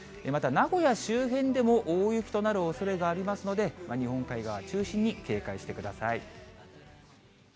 また名古屋周辺でも大雪となるおそれがありますので、日本海側中心に警戒してください。